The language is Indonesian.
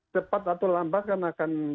cepat atau lambat akan